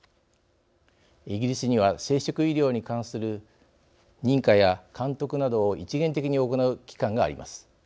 イギリスには生殖医療に関する認可や監督などを一元的に行う機関があります。